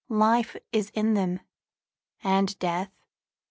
Life is in them, and death.